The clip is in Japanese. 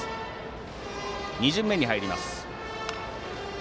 打者は２巡目に入ります。